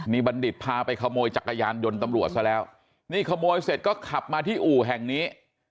นี่บัณฑิตพาไปขโมยจักรยานยนต์ตำรวจซะแล้วนี่ขโมยเสร็จก็ขับมาที่อู่แห่งนี้